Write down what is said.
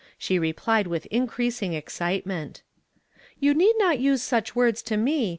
She replied with increasing excitement. " You need not use such words to me.